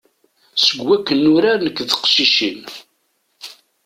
Seg wakken nurar nekk d teqcicin.